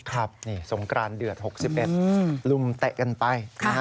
ครับนี่สงกรานเดือด๖๑ลุมเตะกันไป